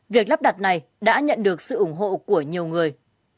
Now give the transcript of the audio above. việc lắp đặt này đã nhận được sự ủng hộ của nhiều người